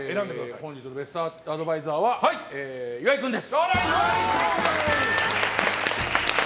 本日のベストアドバイザーは岩井君です！